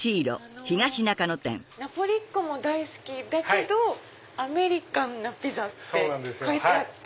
ナポリっ子も大好きだけどアメリカンなピザって書いてあって。